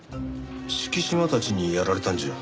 敷島たちにやられたんじゃ？